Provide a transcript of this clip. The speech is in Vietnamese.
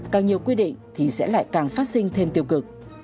càng nhiều quy định thì sẽ lại càng phát sinh thêm tiêu cực